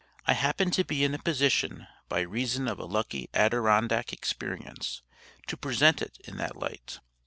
I happen to be in a position, by reason of a lucky Adirondack experience, to present it in that light.